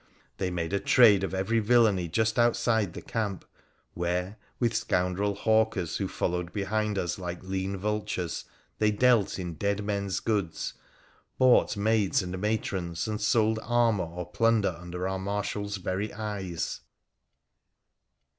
They made a trade of every villany just outside the camp, where, with scoundrel hawkers who followed behind us like lean vultures, they dealt in dead men's goods, bought maids and matrons, and sold armour or plunder under our marshal's very eyes.